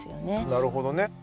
なるほどね。